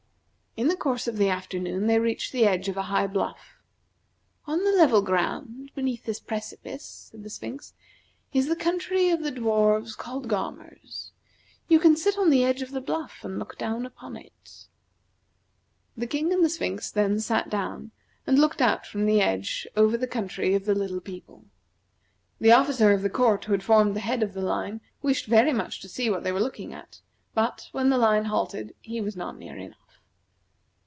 In the course of the afternoon they reached the edge of a high bluff. "On the level ground, beneath this precipice," said the Sphinx, "is the country of the dwarfs called Gaumers. You can sit on the edge of the bluff and look down upon it." The King and the Sphinx then sat down, and looked out from the edge over the country of the little people. The officer of the court who had formed the head of the line wished very much to see what they were looking at, but, when the line halted, he was not near enough.